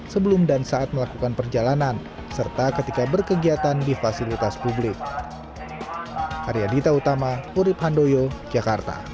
sebelum dan saat melakukan perjalanan serta ketika berkegiatan di fasilitas publik